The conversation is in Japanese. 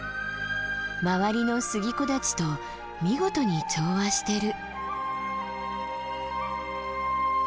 周りの杉木立と見事に調和してる。